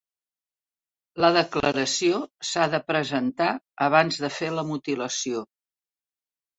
La declaració s'ha de presentar abans de fer la mutilació.